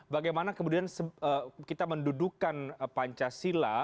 bagaimana kemudian kita mendudukan pancasila